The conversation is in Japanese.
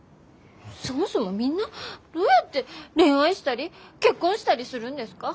そもそもみんなどうやって恋愛したり結婚したりするんですか？